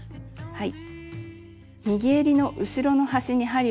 はい。